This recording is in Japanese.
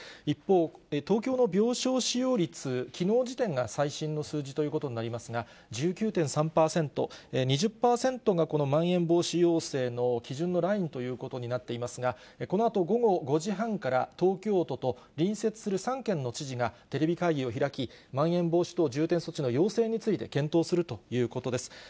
一方、東京の病床使用率、きのう時点が最新の数字ということになりますが、１９．３％、２０％がこのまん延防止要請の基準のラインということになっていますが、このあと、午後５時半から、東京都と隣接する３県の知事が、テレビ会議を開き、まん延防止等重点措置の要請について検討するということです。